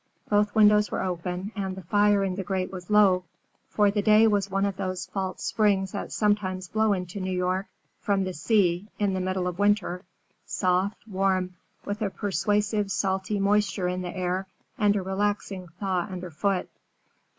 Both windows were open, and the fire in the grate was low, for the day was one of those false springs that sometimes blow into New York from the sea in the middle of winter, soft, warm, with a persuasive salty moisture in the air and a relaxing thaw under foot.